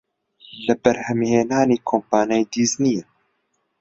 لە بەرهەمهێنانی کۆمپانیای دیزنییە